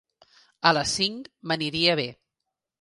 A les cinc m'aniria bé.